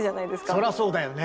そりゃそうだよね。